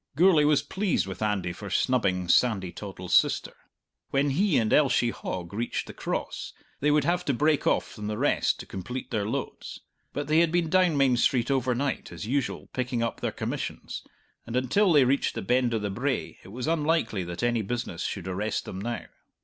Gourlay was pleased with Andy for snubbing Sandy Toddle's sister. When he and Elshie Hogg reached the Cross they would have to break off from the rest to complete their loads; but they had been down Main Street over night as usual picking up their commissions, and until they reached the Bend o' the Brae it was unlikely that any business should arrest them now.